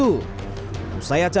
usai acara jokowi ditanya wartawan